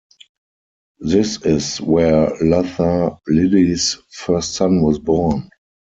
This is where Luther Lilly's first son was born.